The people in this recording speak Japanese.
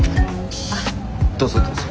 どうぞどうぞ。